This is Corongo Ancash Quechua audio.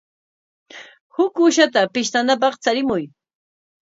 Huk uushata pishtanapaq charimuy.